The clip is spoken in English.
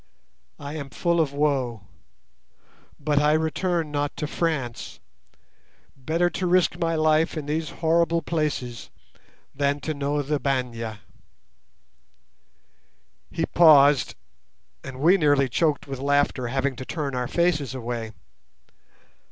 I am full of woe. But I return not to France. Better to risk my life in these horrible places than to know the Bagne." He paused, and we nearly choked with laughter, having to turn our faces away.